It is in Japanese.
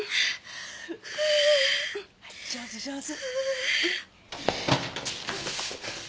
上手上手。